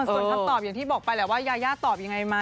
เออส่วนคำตอบอย่างที่บอกไปแล้วว่ายาย่าตอบอย่างไรมา